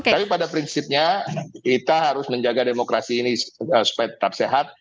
tapi pada prinsipnya kita harus menjaga demokrasi ini supaya tetap sehat